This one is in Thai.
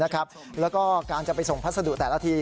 แล้วก็การจะไปส่งพัสดุแต่ละที